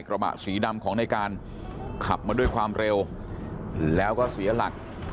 กระบะสีดำของในการขับมาด้วยความเร็วแล้วก็เสียหลัก